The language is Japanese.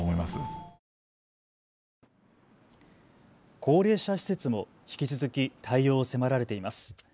高齢者施設も引き続き対応を迫られています。